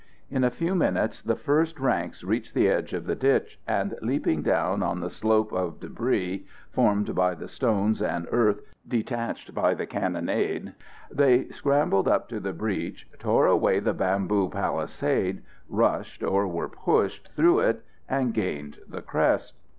In a few minutes the first ranks reached the edge of the ditch, and leaping down on to the slope of débris, formed by the stones and earth detached by the cannonade, they scrambled up to the breach, tore away the bamboo palisade, rushed, or were pushed, through it, and gained the crest.